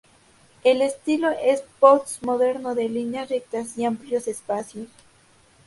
El estilo es post-moderno, de líneas rectas y amplios espacios.